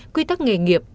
quy tắc nghề nghiệp